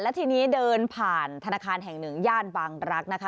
ทีนี้เดินผ่านธนาคารแห่งหนึ่งย่านบางรักนะคะ